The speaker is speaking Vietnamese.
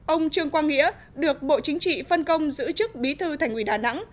ông trương quang nghĩa được bộ chính trị phân công giữ chức bí thư thành ủy đà nẵng